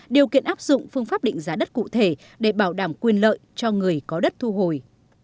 điều kiện áp dụng phương pháp định giá đất cụ thể để bảo đảm quyền lợi cho người có đất thu hồi